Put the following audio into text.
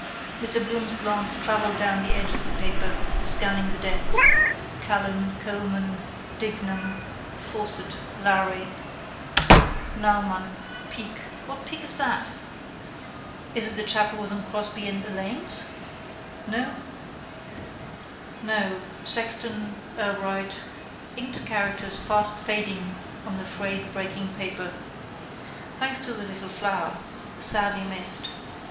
Mr Bloom's glance travelled down the edge of the paper, scanning the deaths: Callan, Coleman, Dignam, Fawcett, Lowry, Naumann, Peake, what Peake is that? is it the chap was in Crosbie and Alleyne's? no, Sexton, Urbright. Inked characters fast fading on the frayed breaking paper. Thanks to the Little Flower. Sadly missed.